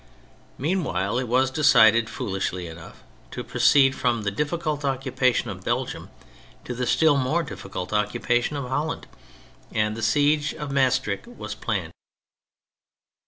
Meanwhile, it was decided, foolishly enough, to proceed from the difficult occupation of Belgium to the still more difficult occupation of Holland, and the siege of Maestricht was planned.